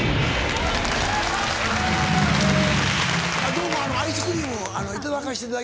どうもアイスクリームいただかしていただきました。